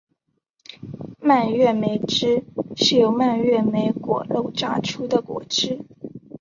蔓越莓汁是由蔓越莓果肉榨出的果汁。